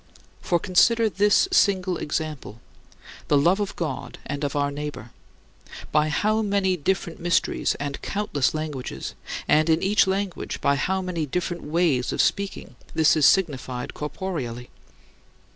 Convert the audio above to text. For consider this single example the love of God and of our neighbor by how many different mysteries and countless languages, and, in each language, by how many different ways of speaking, this is signified corporeally!